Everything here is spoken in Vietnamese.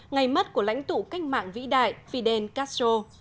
ngày mất của lãnh tụ cách mạng vĩ đại fidel castro